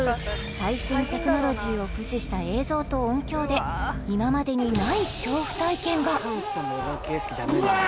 最新テクノロジーを駆使した映像と音響で今までにない恐怖体験がうわあー！